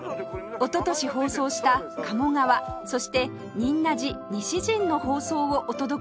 おととし放送した「鴨川」そして「仁和寺西陣」の放送をお届けします！